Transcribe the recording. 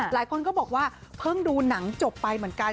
หลายคนก็บอกว่าเพิ่งดูหนังจบไปเหมือนกัน